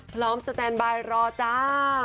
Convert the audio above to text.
พร้อมสแตนบายรอจ้า